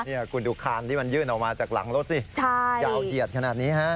นี่คุณดูคานที่มันยื่นออกมาจากหลังรถสิยาวเหยียดขนาดนี้ฮะ